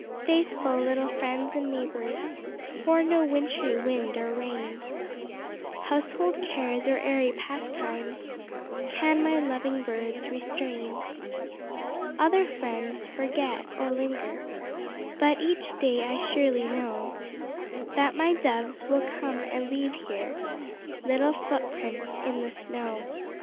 Faithful little friends and neighbors, For no wintry wind or rain, Household cares or airy pastimes, Can my loving birds restrain. Other friends forget, or linger, But each day I surely know That my doves will come and leave here Little footprints in the snow.